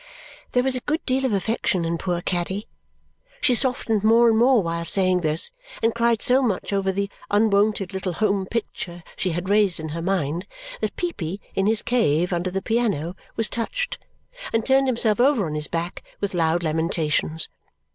There was a good deal of affection in poor Caddy. She softened more and more while saying this and cried so much over the unwonted little home picture she had raised in her mind that Peepy, in his cave under the piano, was touched, and turned himself over on his back with loud lamentations.